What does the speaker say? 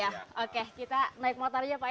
hal pinggang ya ochi arah coke leblok